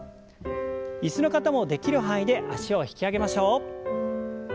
椅子の方もできる範囲で脚を引き上げましょう。